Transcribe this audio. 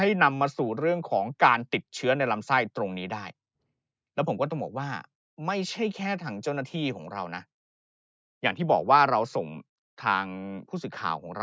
นำมาสู่เรื่องของการติดเชื้อในลำไส้ตรงนี้ได้